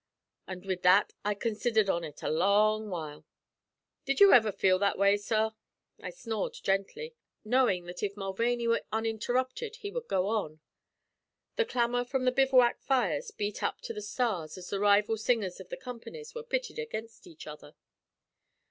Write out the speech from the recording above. An' wid that I considhered on ut a long while. Did you iver feel that way, sorr?" I snored gently, knowing that if Mulvaney were uninterrupted he would go on. The clamor from the bivouac fires beat up to the stars as the rival singers of the companies were pitted against each other.